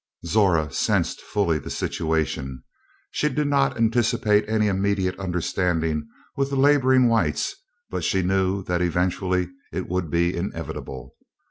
Zora sensed fully the situation. She did not anticipate any immediate understanding with the laboring whites, but she knew that eventually it would be inevitable.